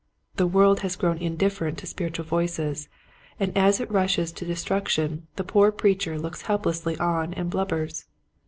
The world has grown indifferent to spiritual voices, and as it rushes to destruction the poor preacher looks helplessly on and blubbers.